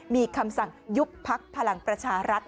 มีคำสั่งยุบพักพลังประชารัฐ